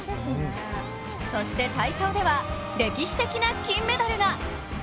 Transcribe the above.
そして体操では、歴史的な金メダルが。